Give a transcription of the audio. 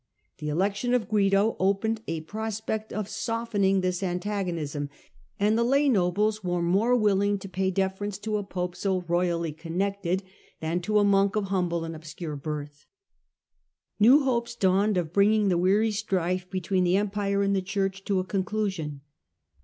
The election of Guido opened a prospect of softening this antagonism, and the lay Digitized by VjOOQIC The Conclusion of the Strife 209 nobles were more willing to pay deference to a pope so royally connected than to a monk of humble and obscure birth. New hopes dawned of bringing the weary strife between the Empire and the Church to a conclusion.